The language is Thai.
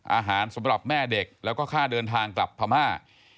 สำหรับแม่เด็กแล้วก็ค่าเดินทางกลับพม่า